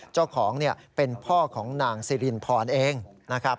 เจ้าของเป็นพ่อของนางซิรินพรเองนะครับ